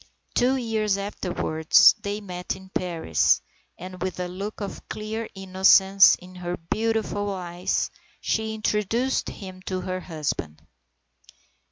Two years afterwards they met in Paris, and with a look of clear innocence in her beautiful eyes she introduced him to her husband.